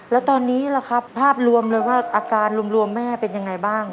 แล้วตอนนี้ล่ะครับภาพรวมเลยว่าอาการรวมแม่เป็นยังไงบ้าง